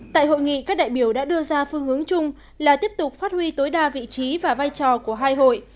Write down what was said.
tại hội nghị các đại biểu đã đưa ra phương hướng chung là tiếp tục phát huy tối đa vị trí và vai trò của hai hội